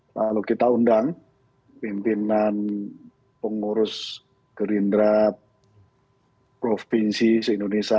lalu kita undang pimpinan pengurus gerindra provinsi se indonesia